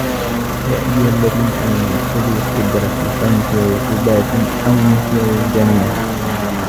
يا أيها الذين آمنوا خذوا حذركم فانفروا ثبات أو انفروا جميعا